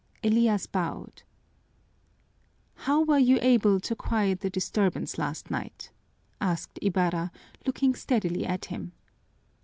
Elias bowed. "How were you able to quiet the disturbance last night?" asked Ibarra, looking steadily at him.